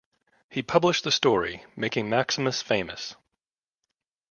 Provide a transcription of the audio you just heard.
He publishes the story, making Maximus famous.